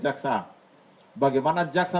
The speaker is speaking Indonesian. jaksa bagaimana jaksa